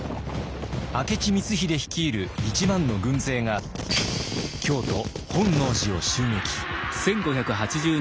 明智光秀率いる１万の軍勢が京都・本能寺を襲撃。